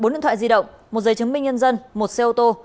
bốn điện thoại di động một giấy chứng minh nhân dân một xe ô tô